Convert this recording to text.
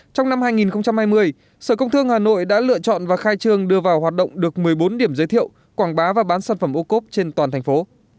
trong năm hai nghìn hai mươi sở công thương hà nội đã lựa chọn và khai trương đưa vào hoạt động được một mươi bốn điểm giới thiệu quảng bá và bán sản phẩm ô cốp trên toàn thành phố